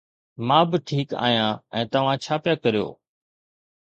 مان به ٺيڪ آهيان. ۽ توهان ڇا پيا ڪريو؟